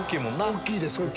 大きいです。